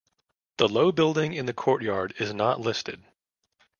The low building in the courtyard is not listed.